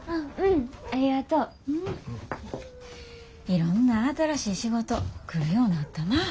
いろんな新しい仕事来るようなったなぁ。